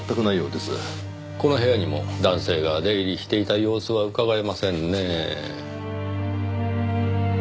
この部屋にも男性が出入りしていた様子はうかがえませんねぇ。